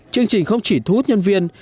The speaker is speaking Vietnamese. chương trình không chỉ thu hút nhân viên